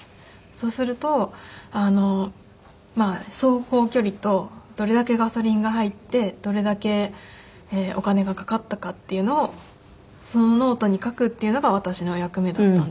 そうすると走行距離とどれだけガソリンが入ってどれだけお金がかかったかっていうのをそのノートに書くっていうのが私の役目だったんですね。